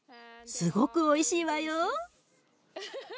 すごくおいしいわよ！